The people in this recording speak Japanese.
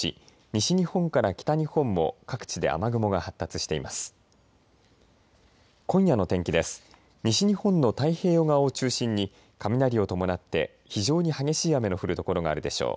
西日本の太平洋側を中心に雷を伴って非常に激しい雨の降る所があるでしょう。